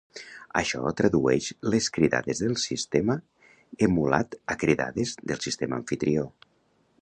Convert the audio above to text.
Això tradueix les cridades del sistema emulat a cridades del sistema amfitrió.